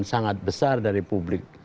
sangat besar dari publik